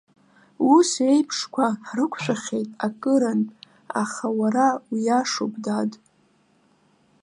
Ус еиԥшқәа ҳрықәшәахьеит акырынтә, аха уара уиашоуп, дад.